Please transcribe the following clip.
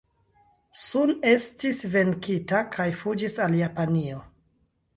Sun estis venkita kaj fuĝis al Japanio.